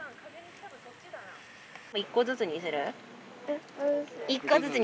一個ずつにする？